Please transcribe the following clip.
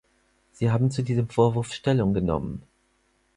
Sie haben zu diesem Vorwurf Stellung genommen.